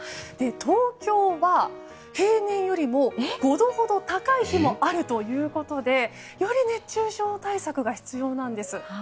東京は平年よりも５度ほど高い日もあるということでより熱中症対策が必要なんです。